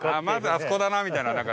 まずあそこだなみたいな。